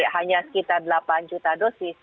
hanya sekitar delapan juta dosis